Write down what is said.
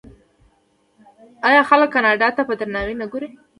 آیا خلک کاناډا ته په درناوي نه ګوري؟